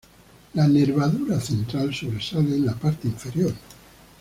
La nervadura central sobresale en la parte inferior.